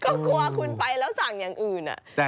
ก็กลัวคุณไปแล้วสั่งอย่างอื่น